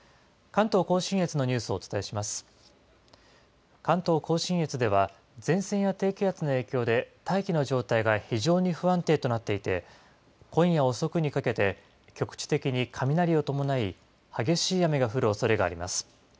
関東甲信越では、前線や低気圧の影響で大気の状態が非常に不安定となっていて、今夜遅くにかけて、局地的に雷を伴い、激しい雨が降るおそれがあります。